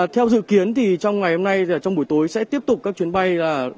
theo dự kiến thì trong ngày hôm nay trong buổi tối sẽ tiếp tục các chuyến bay